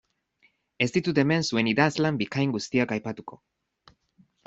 Ez ditut hemen zuen idazlan bikain guztiak aipatuko.